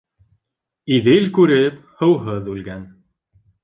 Иҙел күреп, һыуһыҙ үлгән.